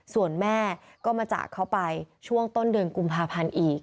ส่วนแม่ก็มาจากเขาไปช่วงต้นเดือนกุมภาพันธ์อีก